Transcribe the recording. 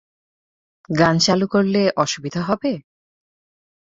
গান চালু করলে অসুবিধা হবে?